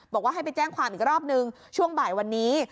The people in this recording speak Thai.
บอกว่าให้ไปแจ้งความอีกรอบนึงช่วงบ่ายวันนี้